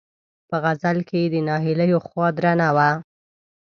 په غزل کې یې د ناهیلیو خوا درنه وه.